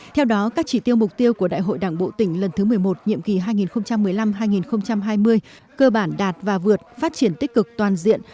theo đó các chỉ tiêu mục tiêu của đại hội đảng bộ tỉnh lần thứ một mươi một nhiệm kỳ hai nghìn một mươi năm hai nghìn hai mươi cơ bản đạt và vượt phát triển tích cực toàn diện